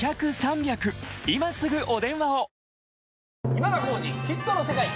『今田耕司★ヒットの世界』。